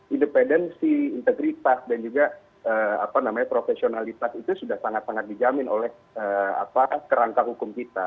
independensi integritas dan juga profesionalitas itu sudah sangat sangat dijamin oleh kerangka hukum kita